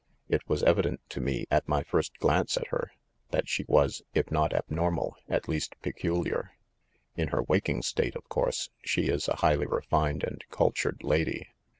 It was evident to me, at my first glance at her, that she was, if not abnormal, at least peculiar. In her waking state, of course, she is a highly refined and cultured lady.